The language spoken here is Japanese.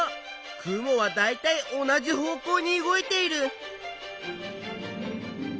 雲はだいたい同じ方向に動いている。